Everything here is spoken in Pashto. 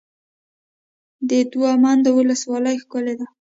د دوه منده ولسوالۍ ښکلې ده